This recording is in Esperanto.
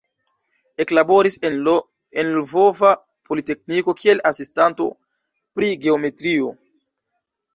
Eklaboris en Lvova Politekniko kiel asistanto pri geometrio.